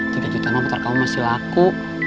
tiga juta motor kamu masih laku